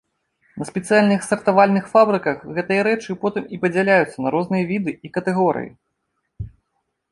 На спецыяльных сартавальных фабрыках гэтыя рэчы потым і падзяляюцца на розныя віды і катэгорыі.